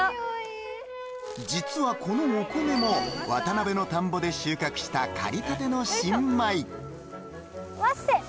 実はこのお米も渡辺の田んぼで収穫した刈りたての新米わっせ！